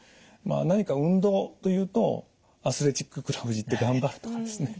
何か運動というとアスレチッククラブに行って頑張るとかですね